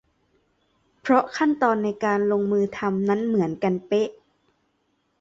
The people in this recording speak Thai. เพราะขั้นตอนในการลงมือทำนั้นเหมือนกันเป๊ะ